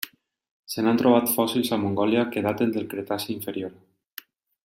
Se n'han trobat fòssils a Mongòlia que daten del Cretaci inferior.